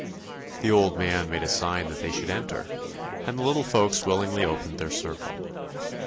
The old man made a sign that they should enter, and the little folks willingly opened their circle.